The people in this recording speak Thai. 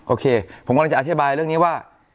โอเคผมกำลังจะอธิบายเรื่องนี้ว่า